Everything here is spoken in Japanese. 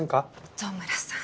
糸村さん。